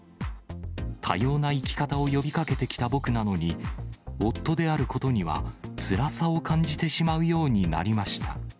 多様な生き方を呼びかけてきた僕なのに、夫であることにはつらさを感じてしまうようになりました。